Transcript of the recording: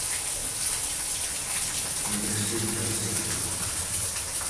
En Brasil canseime.